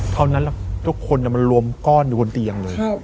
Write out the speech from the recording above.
เท่านั้นทุกคนมันรวมก้อนอยู่บนเตียงเลย